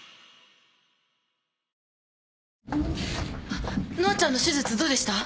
あっ乃愛ちゃんの手術どうでした？